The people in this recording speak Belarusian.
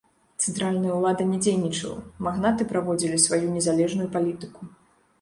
Цэнтральная ўлада не дзейнічала, магнаты праводзілі сваю незалежную палітыку.